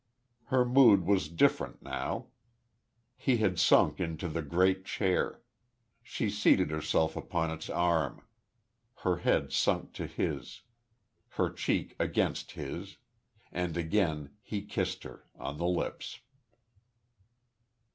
Her mood was different now. He had sunk into the great chair. She seated herself upon its arm; her head sunk to his; her cheek against his.... And again he kissed her, on the lips.